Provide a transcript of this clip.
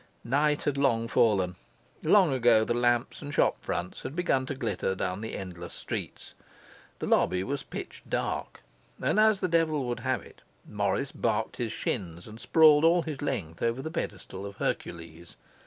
Night had long fallen; long ago the lamps and the shop fronts had begun to glitter down the endless streets; the lobby was pitch dark; and, as the devil would have it, Morris barked his shins and sprawled all his length over the pedestal of Hercules.